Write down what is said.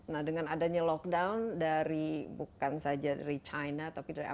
nah dengan adanya lockdown dari bukan saja dari china tapi dari amerika